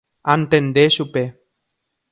Antende chupe.